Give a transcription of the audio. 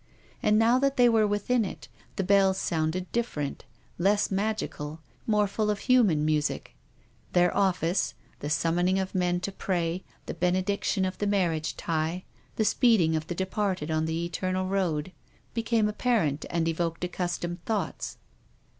And now that they were within it, the bells sounded different, less magical, more full of human music ; their ofifice — the sum moning of men to pray, the benediction of the marriage tie, the speeding of the departed on the eternal road — became apparent and evoked accus tomed thoughts.